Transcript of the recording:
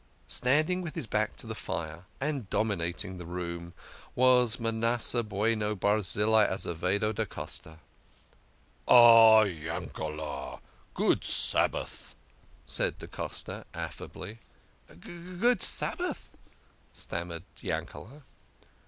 Standing with his back to the fire and dominating the room was Manasseh Bueno Barzillai Azevedo da Costa ! "Ah, Yankele", good Sabbath !" said da Costa affably. " G g ood Sabbath !" stammered Yankele.